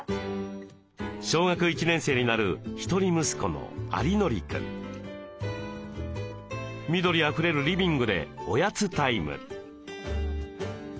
小学１年生になる一人息子の緑あふれるリビングでおやつタイム。